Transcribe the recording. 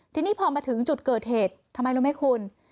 ทีนี้พอมาถึงจุดเกิดเหตุทำไมรู้ไหมคุณ